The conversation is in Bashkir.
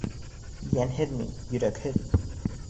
Йәнһеҙ мин, йөрәкһеҙ!